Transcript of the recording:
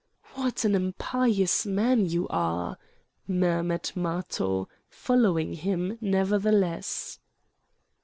"What an impious man you are!" murmured Matho, following him nevertheless.